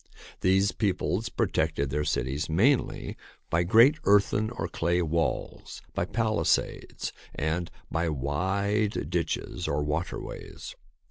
These peoples protected their cities mainly by great earthen or clay walls, by palisades, and by wide ditches or waterways.